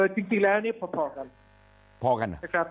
จริงแล้วพอกัน